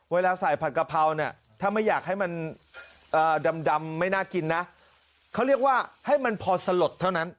เวลาใส่ผัดกะเพราเนี่ยถ้าไม่อยากให้มันดำไม่น่ากินนะเขาเรียกว่าให้มันพอสลดเท่านั้น